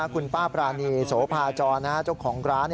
คุณป้าปรานีโสภาจรเจ้าของร้าน